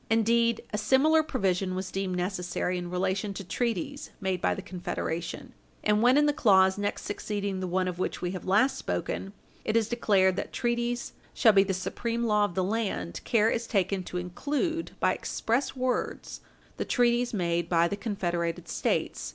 Indeed, a similar provision was deemed necessary in relation to treaties made by the Confederation; and when, in the clause next succeeding the one of which we have last spoken, it is declared that treaties shall be the supreme law of the land, care is taken to include, by express words, the treaties made by the confederated States.